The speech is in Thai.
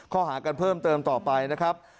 ข้อหากันเพิ่มเติมต่อไปนะครับ